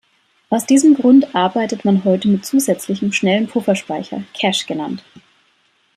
Aus diesem Grund arbeitet man heute mit zusätzlichem, schnellen Pufferspeicher, Cache genannt.